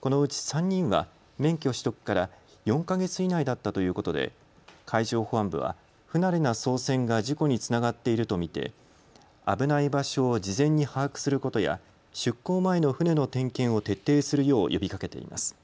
このうち３人は免許取得から４か月以内だったということで海上保安部は不慣れな操船が事故につながっていると見て危ない場所を事前に把握することや出港前の船の点検を徹底するよう呼びかけています。